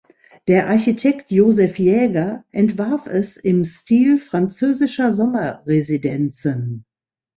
Der Architekt Josef Jäger entwarf es im Stil französischer Sommerresidenzen.